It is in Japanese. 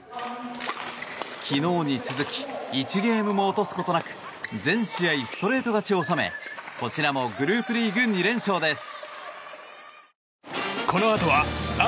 昨日に続き１ゲームも落とすことなく全試合ストレート勝ちを収めこちらもグループリーグ２連勝です。